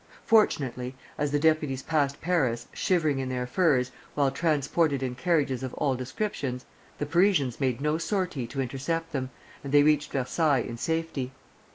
Fortunately, as the deputies passed Paris, shivering in their furs, while transported in carriages of all descriptions, the Parisians made no sortie to intercept them, and they reached Versailles in safety.